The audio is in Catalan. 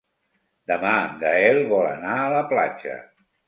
Demà en Gaël vol anar a la platja.